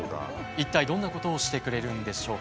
一体どんなことをしてくれるんでしょうか？